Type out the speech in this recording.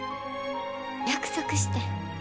約束してん。